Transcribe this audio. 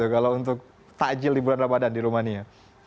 kalau untuk takjil di bulan ramadan di rumania